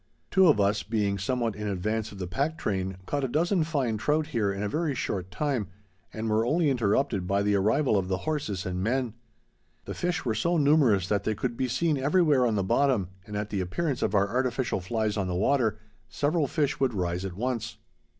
Two of us, being somewhat in advance of the pack train, caught a dozen fine trout here in a very short time, and were only interrupted by the arrival of the horses and men. The fish were so numerous that they could be seen everywhere on the bottom, and at the appearance of our artificial flies on the water, several fish would rise at once.